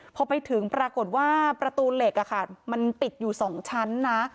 พอไปถึงปรากฏว่าประตูเหล็กมันติดอยู่๒ชั้นนะ